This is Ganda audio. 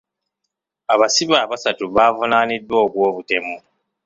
Abasibe abasatu baavunaaniddwa ogw'obutemu.